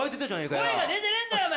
声が出てねえんだよお前！